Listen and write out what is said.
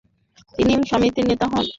তিনি সমিতির নেতা হন।